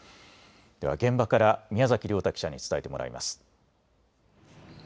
では現場から宮崎良太記者に伝えてもらいます。